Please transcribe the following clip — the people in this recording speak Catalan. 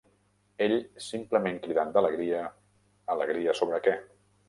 Ell simplement cridant d'alegria, alegria sobre què.